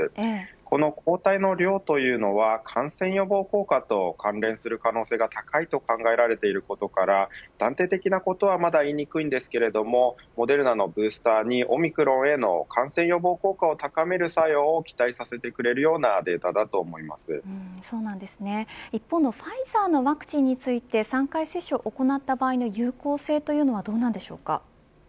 この抗体の量というのは感染予防効果と関連する可能性が高いと考えられていることから断定的なことはまだ言いにくいですがモデルナのブースターにオミクロンへの感染予防効果を高める作用を期待させてくれるような一方のファイザーのワクチンについて３回接種を行った場合の有効性というのはどうなんでしょうか。